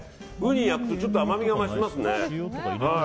ウニ、焼くとちょっと甘みが増しますね。